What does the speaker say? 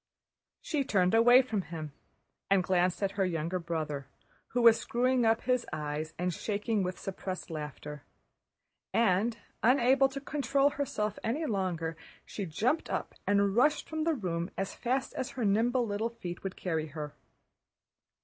She turned away from him and glanced at her younger brother, who was screwing up his eyes and shaking with suppressed laughter, and unable to control herself any longer, she jumped up and rushed from the room as fast as her nimble little feet would carry her.